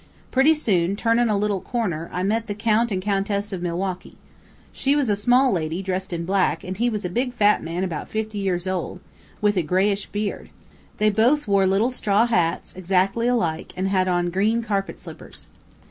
Pretty soon, turnin' a little corner, I meets the Count and Countess of Milwaukee. She was a small lady, dressed in black, an' he was a big fat man about fifty years old, with a grayish beard. They both wore little straw hats, exac'ly alike, an' had on green carpet slippers.